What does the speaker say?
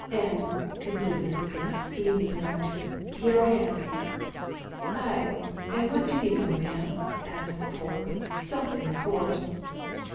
And," concluded Mrs. Pratt, beaming around her, "here I am!" "Ay and what do you know, ma'am?" asked Polke. "Something, of course."